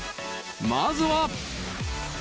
まずは。